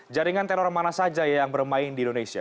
jaringan teror mana saja yang bermain di indonesia